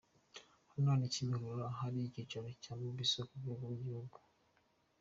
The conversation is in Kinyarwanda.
Hano ni Kimihurura ahari icyicaro cya Mobisol ku rwego rw'igihugu.